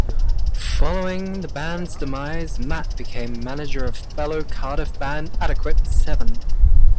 Following the band's demise Matt became manager of fellow Cardiff band Adequate Seven.